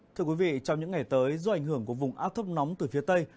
thưa quý vị trong những ngày tới do ảnh hưởng của vùng áp thấp nóng từ phía tây